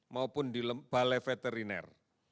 maupun di balai veteriner